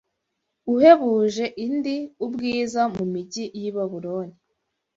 uhebuje indi ubwiza mu mijyi y’i Babuloni.